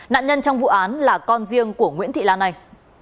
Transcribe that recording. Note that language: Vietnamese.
nạn nhân trong vụ án là con riêng của nguyễn thị lan này